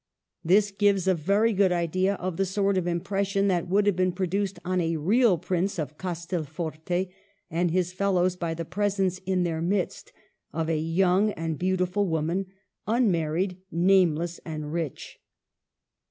This gives a very good idea of the sort of impres sion that would have been produced on a real Prince of Castel Forte and his fellows by the presence in their midst of a young and beautiful woman, unmarried, nameless, and rich.